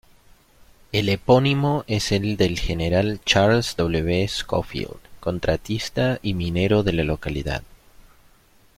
El epónimo es del General Charles W. Scofield, contratista y minero de la localidad.